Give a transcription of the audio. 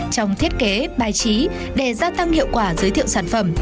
trong thiết kế bài trí để gia tăng hiệu quả giới thiệu sản phẩm